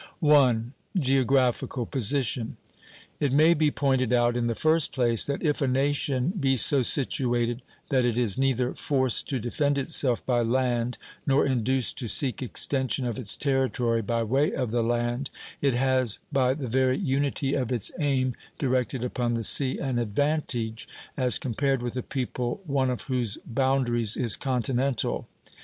I. Geographical Position. It may be pointed out, in the first place, that if a nation be so situated that it is neither forced to defend itself by land nor induced to seek extension of its territory by way of the land, it has, by the very unity of its aim directed upon the sea, an advantage as compared with a people one of whose boundaries is continental.